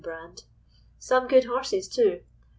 brand. Some good horses, too.